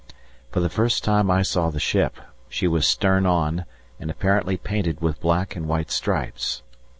For the first time I saw the ship; she was stern on and apparently painted with black and white stripes.